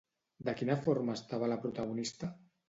De quina forma estava la protagonista?